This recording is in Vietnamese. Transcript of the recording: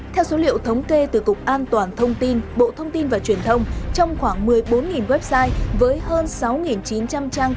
theo số liệu thống kê từ cục an toàn thông tin bộ thông tin và truyền thông trong khoảng một mươi bốn website với hơn sáu chín trăm linh trang